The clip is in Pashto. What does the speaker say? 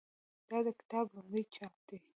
دا د کتاب لومړی چاپ دی.